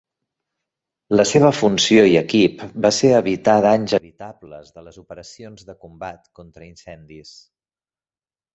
La seva funció i equip va ser evitar danys evitables de les operacions de combat contra incendis.